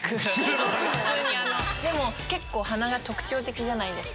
でも結構鼻が特徴的じゃないですか。